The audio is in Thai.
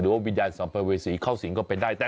หรือว่าวิญญาณสัมพเวษีเข้าสิงห์ก็เป็นไปได้